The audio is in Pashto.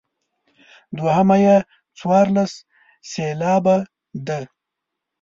دوهمه یې څوارلس سېلابه ده.